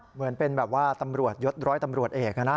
เหมือนเป็นแบบว่าตำรวจยศร้อยตำรวจเอกนะ